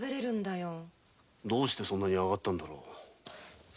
なぜそんなに上がったんだろう？